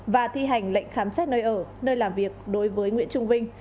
và thi hành lệnh khám xét nơi ở nơi làm việc đối với nguyễn trung vinh